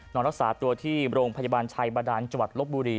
นอนรักษาตัวที่โรงพยาบาลชัยบาดานจังหวัดลบบุรี